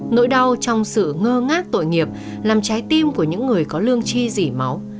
nỗi đau trong sự ngơ ngác tội nghiệp làm trái tim của những người có lương chi dỉ máu